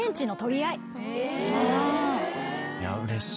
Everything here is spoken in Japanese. いやうれしい。